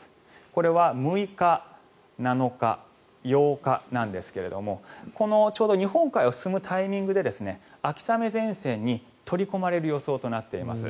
これは６日、７日、８日なんですがこのちょうど日本海を進むタイミングで秋雨前線に取り込まれる予想となっています。